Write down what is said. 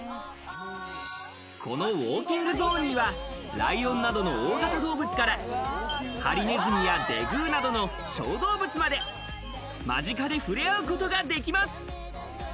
このウォーキングゾーンにはライオンなどの大型動物からハリネズミやデグーなどの小動物まで間近で触れ合うことができます。